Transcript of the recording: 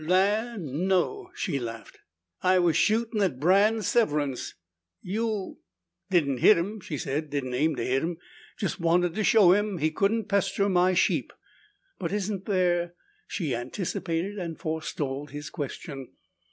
"Land no!" She laughed. "I was shootin' at Brant Severance!" "You !" "Didn't hit him," she said. "Didn't aim to hit him. Just wanted to show him he couldn't pester my sheep." "But isn't there " She anticipated and forestalled his question.